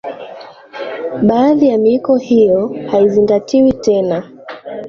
baadhi ya miiko hiyo haizingatiwi tena